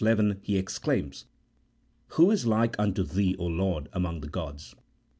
11) he ex claims, " Who is like unto Thee, O Lord, among the gods ?